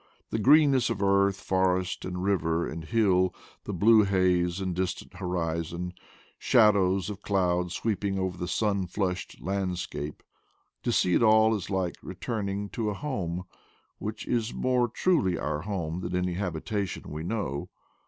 The greenness of earth; forest and river and hill; the blue haze and distant horizon; shadows of THE PLAINS OF PATAGONIA 217 clouds sweeping over the sun flushed landscape — to see it all is like returning to a home, which is more truly our home than any habitation we know.